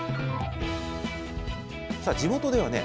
地元ではね